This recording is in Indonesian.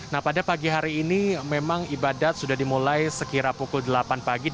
nah pada pagi hari ini memang ibadah sudah dimulai sekira pukul delapan pagi dan di belakang saya ini merupakan katedral